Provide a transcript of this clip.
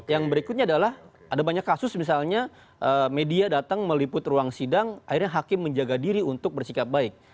yang berikutnya adalah ada banyak kasus misalnya media datang meliput ruang sidang akhirnya hakim menjaga diri untuk bersikap baik